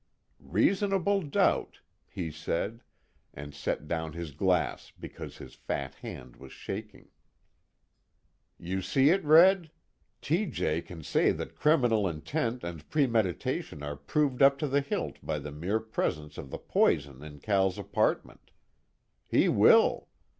"Reasonable doubt!" he said, and set down his glass because his fat hand was shaking. "You see it, Red? T.J. can say that criminal intent and premeditation are proved up to the hilt by the mere presence of the poison in Cal's apartment. He will.